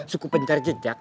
suku pencar jejak